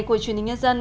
của truyền hình nhân dân